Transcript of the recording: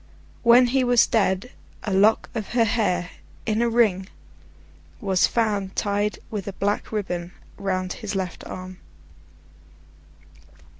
When he was dead, a lock of her hair, in a ring, was found tied with a black ribbon round his left arm.